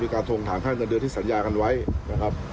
การทวงถามค่าเงินเดือนที่สัญญากันไว้นะครับ